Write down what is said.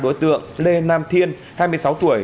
đối tượng lê nam thiên hai mươi sáu tuổi